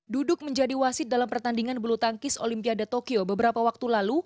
duduk menjadi wasit dalam pertandingan bulu tangkis olimpiade tokyo beberapa waktu lalu